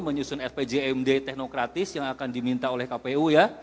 menyusun rpjmd teknokratis yang akan diminta oleh kpu ya